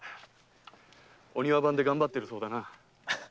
お庭番でがんばってるそうだな。